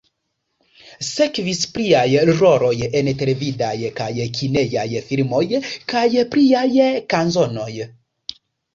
Sekvis pliaj roloj en televidaj kaj kinejaj filmoj, kaj pliaj kanzonoj.